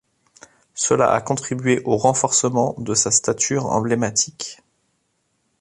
Cela a contribué au renforcement de sa stature emblématique.